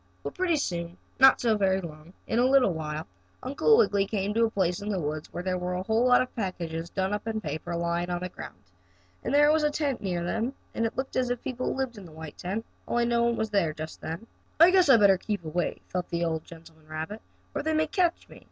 Well, pretty soon, not so very long, in a little while, Uncle Wiggily came to a place in the woods where there were a whole lot of packages done up in paper lying on the ground. And there was a tent near them, and it looked as if people lived in the white tent, only no one was there just then. "I guess I'd better keep away," thought the old gentleman rabbit, "or they may catch me."